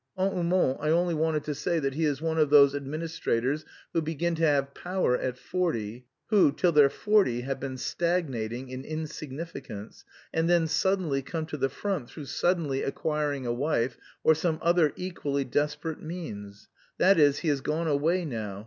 "En un mot, I only wanted to say that he is one of those administrators who begin to have power at forty, who, till they're forty, have been stagnating in insignificance and then suddenly come to the front through suddenly acquiring a wife, or some other equally desperate means.... That is, he has gone away now...